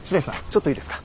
ちょっといいですか。